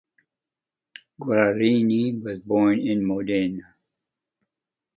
Guarini was born in Modena.